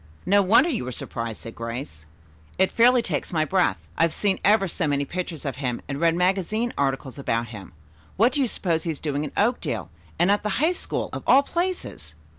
"No wonder you were surprised," said Grace. "It fairly takes my breath. I've seen ever so many pictures of him and read magazine articles about him. What do you suppose he is doing in Oakdale, and at the High School of all places?"